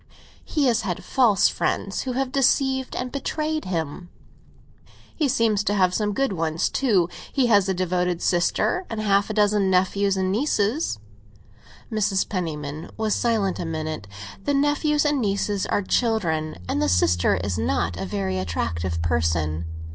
"He has had false friends, who have deceived and betrayed him." "He seems to have some good ones too. He has a devoted sister, and half a dozen nephews and nieces." Mrs. Penniman was silent a minute. "The nephews and nieces are children, and the sister is not a very attractive person."